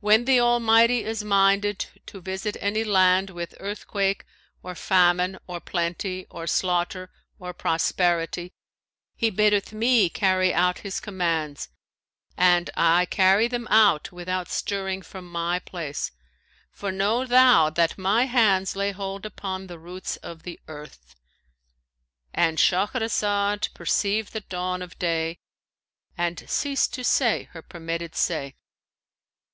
When the Almighty is minded to visit any land with earthquake or famine or plenty or slaughter or prosperity, He biddeth me carry out His commands and I carry them out without stirring from my place; for know thou that my hands lay hold upon the roots of the earth,' "—And Shahrazed perceived the dawn of day and ceased to say her permitted say.